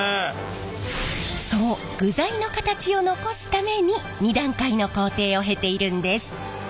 そう具材の形を残すために２段階の工程を経ているんです。